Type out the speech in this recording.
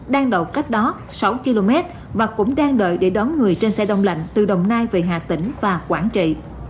đang đậu cách đó sáu km và cũng đang đợi để đón người trên xe đông lạnh từ đồng nai về hà tĩnh và quảng trị